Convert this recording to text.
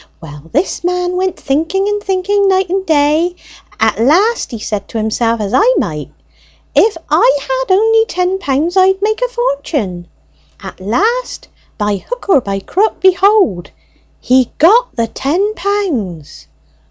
Well, this man went thinking and thinking night and day. At last, he said to himself, as I might, 'If I had only ten pound, I'd make a fortune.' At last by hook or by crook, behold he got the ten pounds!"